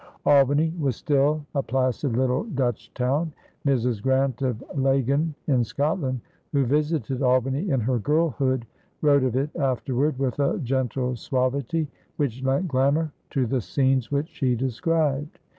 Albany was still a placid little Dutch town. Mrs. Grant of Laggan in Scotland, who visited Albany in her girlhood, wrote of it afterward with a gentle suavity which lent glamour to the scenes which she described.